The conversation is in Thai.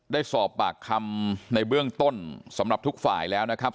ได้สอบปากคำในเบื้องต้นสำหรับทุกฝ่ายแล้วนะครับ